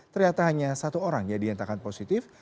ternyata hanya satu orang yang dinyatakan positif